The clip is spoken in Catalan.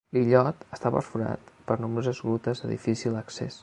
L'illot està perforat per nombroses grutes de difícil accés.